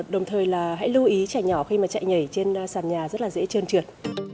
đồng thời là hãy lưu ý trẻ nhỏ khi mà chạy nhảy trên sàn nhà rất là dễ trơn trượt